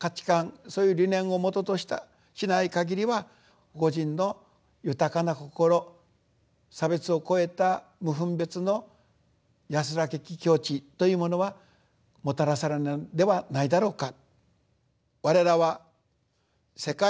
そういう理念をもととしたしない限りは個人の豊かな心差別を超えた無分別の安らけき境地というものはもたらされないではないだろうか。